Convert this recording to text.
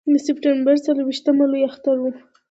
د سپټمبر څلرویشتمه لوی اختر و.